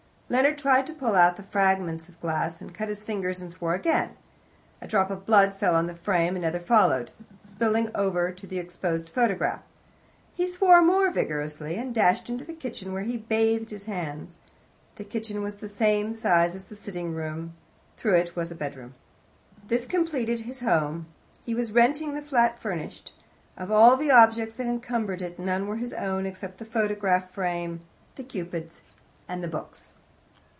Leonard tried to pull out the fragments of glass, and cut his fingers and swore again. A drop of blood fell on the frame, another followed, spilling over on to the exposed photograph. He swore more vigorously, and dashed to the kitchen, where he bathed his hands. The kitchen was the same size as the sitting room; through it was a bedroom. This completed his home. He was renting the flat furnished: of all the objects that encumbered it none were his own except the photograph frame, the Cupids, and the books.